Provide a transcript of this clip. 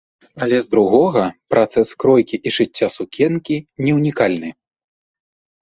Але з другога, працэс кройкі і шыцця сукенкі не ўнікальны.